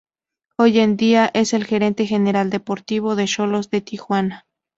Hoy en día, es el Gerente General Deportivo del Xolos de Tijuana.